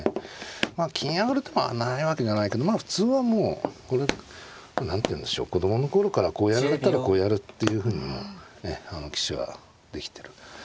金上がる手もないわけじゃないけどまあ普通はもうこれ何ていうんでしょう子供の頃からこうやられたらこうやるっていうふうにもうええ棋士はできてる。